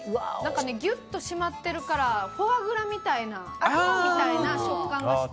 ギュッと締まってるからフォアグラみたいな食感がして。